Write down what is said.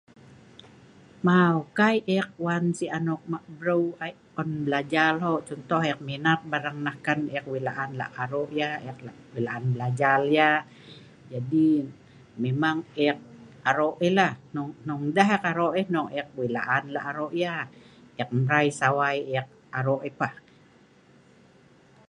mau kai eek wan si anok ma breu ai on blajal ho, contoh ai eek maenam barang nah kan, eek wei laan laan aro yah, wei laan blajal yah, jadi memang eek aro' yah lah, hnung hnung ndeh eek arok yeh hnung eekk wei laan lak arok yah, eek mbrai sawai eek arok yah pah